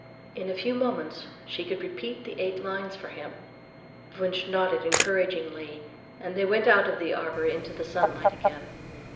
In a few moments she could repeat the eight lines for him. Wunsch nodded encouragingly and they went out of the arbor into the sunlight again.